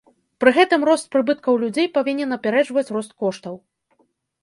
Пры гэтым рост прыбыткаў людзей павінен апярэджваць рост коштаў.